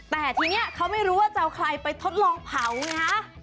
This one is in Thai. แต่ทีนี้เขาไม่รู้ว่าจะเอาใครไปทดลองเผาไงฮะ